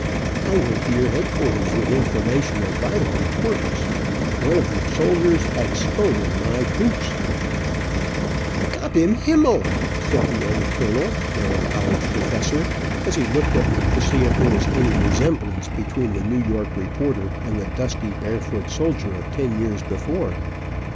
"I went to your headquarters with information of vital importance. One of your soldiers had stolen my boots." "Gott in himmel!" said the old colonel, now a college professor, as he looked at me to see if there was any resemblance between the New York reporter and the dusty, bare footed soldier of ten years before.